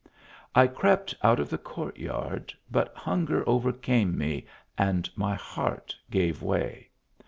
I crept out of the court yard ; but hunger overcame me, and my heart gave way.